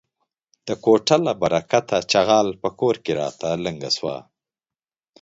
د کوټه له برکته ،چغاله په کور کې راته لنگه سوه.